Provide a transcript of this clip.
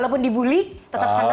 walaupun di bully tetap senang